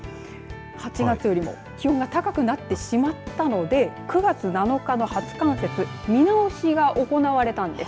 ８月よりも気温が高くなってしまったので９月７日の初冠雪見直しが行われたんです。